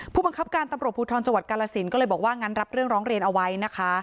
ผู้บังคับการตำรวจภูทรจังหวัดกาลสินก็เลยบอกว่างั้นรับเรื่องร้องเรียนเอาไว้นะคะ